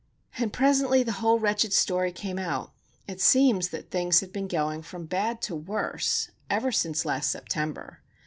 And presently the whole wretched story came out. It seems that things have been going from bad to worse ever since last September.